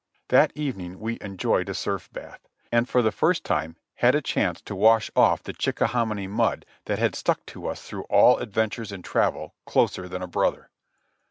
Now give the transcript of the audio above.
That evening we enjoyed a surf bath, and for the first time had a chance to wash off the Chickahominy mud, that had stuck to us through all adventures and travel "closer than a brother."